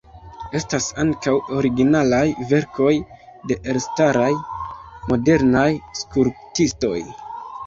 Estas ankaŭ originalaj verkoj de elstaraj modernaj skulptistoj.